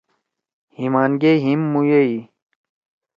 ہیِمان گے ہیِم مُویوئی۔